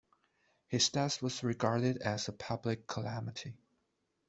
His death was regarded as a public calamity.